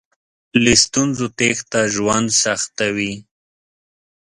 له ستونزو تېښته ژوند سختوي.